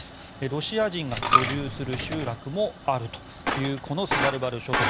ロシア人が居住する集落もあるというこのスバルバル諸島。